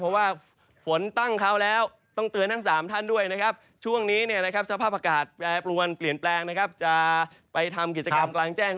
เพราะว่าฝนตั้งเขาแล้วต้องเตือนทั้ง๓ท่านด้วยนะครับช่วงนี้สภาพอากาศแปรปรวนเปลี่ยนแปลงนะครับจะไปทำกิจกรรมกลางแจ้ง